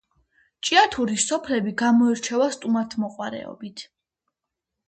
ჭიათურის სოფლები გამოირჩევა სტუმართმოყვარეობით